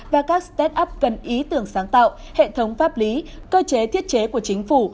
và các start up gần ý tưởng sáng tạo hệ thống pháp lý cơ chế thiết chế của chính phủ